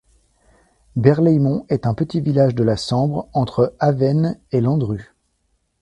Berlaymont est un petit village de la Sambre, entre Avesnes et Landrues.